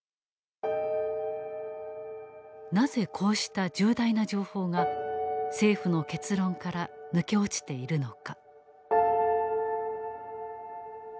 なぜこうした重大な情報が政府の結論から抜け落ちているのか。